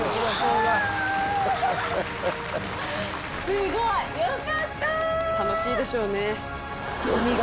すごいよかった！